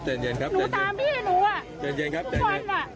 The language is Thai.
ใจเย็นครับหนูตามพี่หนูอ่ะใจเย็นครับใจเย็นครับ